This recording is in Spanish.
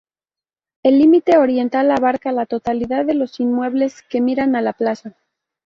El límite oriental abarca la totalidad de los inmuebles que miran a la Plaza.